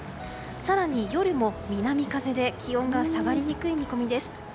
更に夜も南風で気温が下がりにくい見込みです。